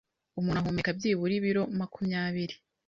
Umuntu ahumeka byibura ibiro makumyabiri